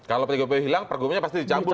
kalau tgupp hilang pergubnya pasti dicabut